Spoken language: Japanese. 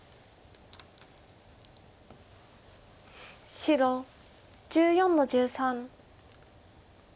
白１４の十三。